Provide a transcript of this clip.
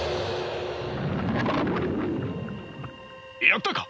やったか？